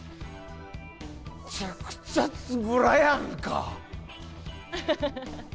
めちゃくちゃつぶらやんか！